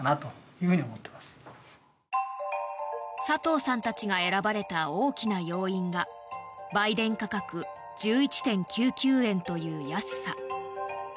佐藤さんたちが選ばれた大きな要因が売電価格１１．９９円という安さ。